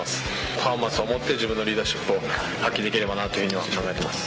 パフォーマンスをもって、自分のリーダーシップを発揮できればなというふうには考えてます。